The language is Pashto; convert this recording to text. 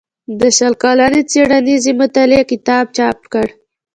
د شل کلنې څيړنيزې مطالعې کتاب چاپ کړ